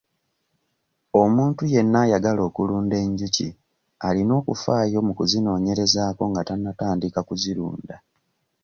Omuntu yenna ayagala okulunda enjuki alina okufaayo mu kuzinoonyerezaako nga tannatandika kuzirunda.